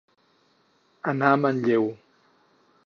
Anar a manlleu.